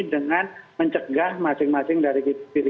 dengan mencegah masing masing dari diri